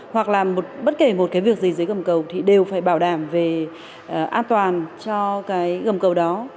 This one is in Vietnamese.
hoặc làm bất kể một cái việc gì dưới gầm cầu thì đều phải bảo đảm về an toàn cho cái gầm cầu đó